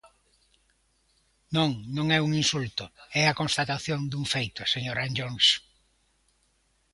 Non, non é ningún insulto, é a constatación dun feito, señor Anllóns.